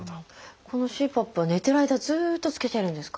このＣＰＡＰは寝てる間ずっと着けてるんですか？